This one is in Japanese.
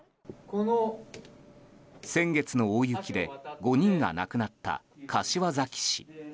先月の大雪で５人が亡くなった柏崎市。